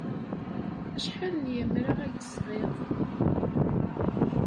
Acḥal n yemra ay d-tesɣiḍ?